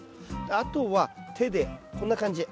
あとは手でこんな感じ。